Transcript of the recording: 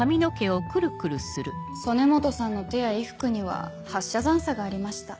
曽根本さんの手や衣服には発射残渣がありました。